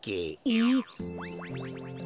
えっ？